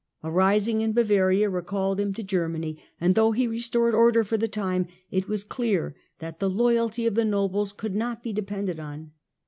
A rising in Bavaria recalled him to Ger many, and though he restored order for the time it was clear that the loyalty of the nobles could not be depended on.